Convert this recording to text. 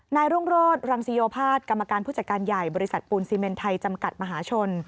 รุ่งโรศรังสิโยภาษกรรมการผู้จัดการใหญ่บริษัทปูนซีเมนไทยจำกัดมหาชน